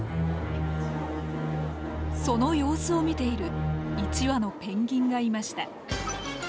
その様子を見ている一羽のペンギンがいました。